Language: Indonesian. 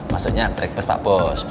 maksudnya breakfast pak bos